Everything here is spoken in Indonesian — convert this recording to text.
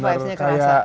itu vibes nya kerasa